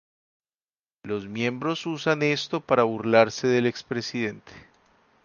Los miembros usan esto para burlarse del expresidente.